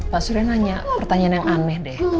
pak surya nanya pertanyaan yang aneh deh